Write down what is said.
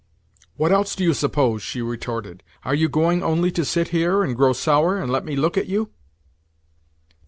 _" "What else do you suppose?" she retorted. "Are you going only to sit here, and grow sour, and let me look at you?"